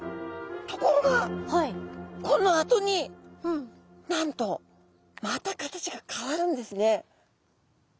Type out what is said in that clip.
ところがこのあとになんとまた形が変わるんですね。